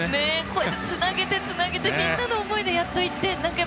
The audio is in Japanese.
こうやって、つなげてみんなの思いでやっと１点。